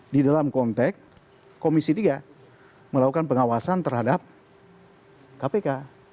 di dalam konteks komisi tiga melakukan pengawasan terhadap kpk